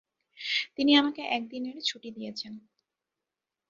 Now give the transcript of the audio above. তিনি আমাকে একদিনের ছুটি দিয়েছেন।